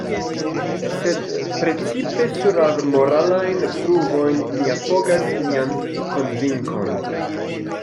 Sed precipe sur la moralajn pruvojn mi apogas mian konvinkon.